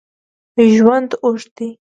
ژوند اوږد دی